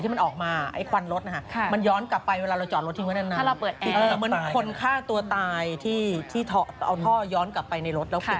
ที่เอาท่อย้อนกลับไปในรถแล้วปิด